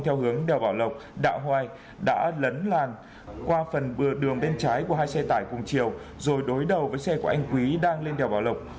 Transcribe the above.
theo hướng đèo bảo lộc đạo hoài đã lấn làn qua phần bừa đường bên trái của hai xe tải cùng chiều rồi đối đầu với xe của anh quý đang lên đèo bảo lộc